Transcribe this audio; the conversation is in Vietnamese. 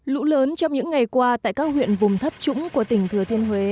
lũ lớn trong những ngày qua tại các huyện vùng thấp trũng của tỉnh thừa thiên huế